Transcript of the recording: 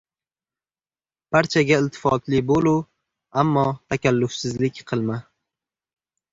Barchaga iltifotli bo‘lu, ammo takallufsizlik qilma.